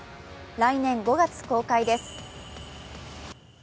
来年５月公開です。